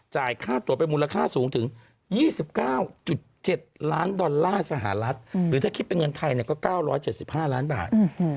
ค่าตัวไปมูลค่าสูงถึง๒๙๗ล้านดอลลาร์สหรัฐหรือถ้าคิดเป็นเงินไทยก็๙๗๕ล้านบาท